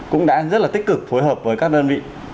cũng đã rất là tích cực phối hợp với các đơn vị